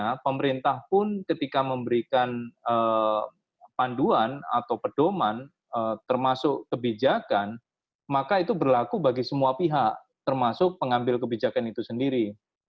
karena pemerintah pun ketika memberikan panduan atau pedoman termasuk kebijakan maka itu berlaku bagi semua pihak termasuk pengambil kebijakan itu sendiri